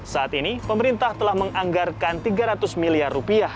saat ini pemerintah telah menganggarkan rp tiga ratus miliar rupiah